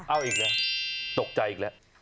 เอาอีกแล้วตกใจอีกแล้ว